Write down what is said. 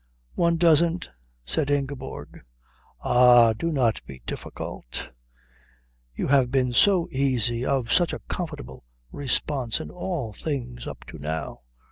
"One doesn't," said Ingeborg. "Ah, do not be difficult. You have been so easy, of such a comfortable response in all things up to now."